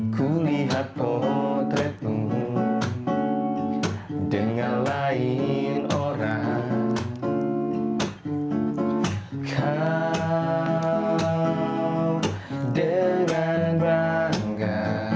kau dengan bangga